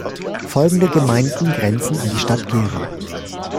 Folgende Gemeinden grenzen an die Stadt Gera.